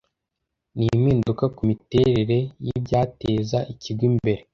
n impinduka ku miterere y ibyateza ikigo imbere